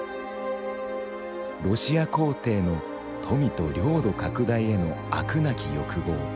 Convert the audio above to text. ロシア皇帝の富と領土拡大への飽くなき欲望。